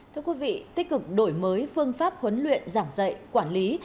thưa quý vị tích cực đổi mới phương pháp huấn luyện giảng dạy quản lý